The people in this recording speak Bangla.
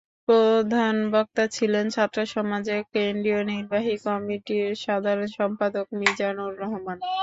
প্রধান বক্তা ছিলেন ছাত্রসমাজের কেন্দ্রীয় নির্বাহী কমিটির সাধারণ সম্পাদক মিজানুর রহমান।